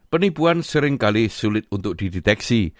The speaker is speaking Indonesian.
penipuan seringkali sulit untuk dideteksi